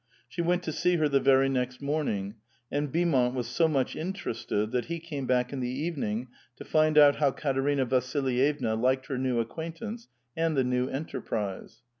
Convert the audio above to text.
She went to see her the verv next morning ; and Beaumont was so much interested, that he came back in the evening to find out how Katerina Vasil yevna liked her new acquaintance and the new enterprise.